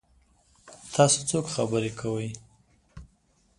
تاسو څوک خبرې کوئ؟